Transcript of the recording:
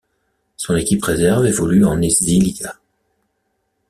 Son équipe réserve évolue en Esiliiga.